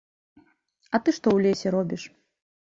А ты што ў лесе робіш?